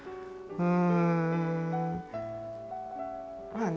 うん。